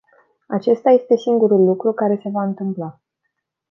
Acesta este singurul lucru care se va întâmpla.